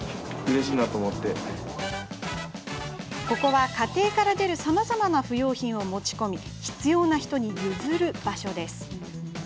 ここは、家庭から出るさまざまな不要品を持ち込み必要な人に譲る場所。